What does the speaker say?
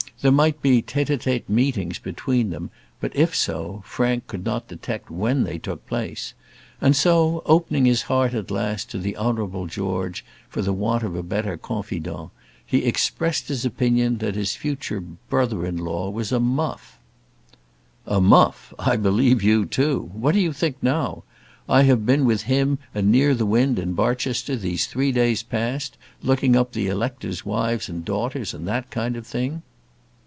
There might be tête à tête meetings between them, but, if so, Frank could not detect when they took place; and so, opening his heart at last to the Honourable George, for the want of a better confidant, he expressed his opinion that his future brother in law was a muff. "A muff I believe you too. What do you think now? I have been with him and Nearthewinde in Barchester these three days past, looking up the electors' wives and daughters, and that kind of thing."